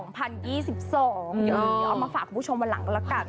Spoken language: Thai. เอามาฝากผู้ชมวันหลังก็ละกัน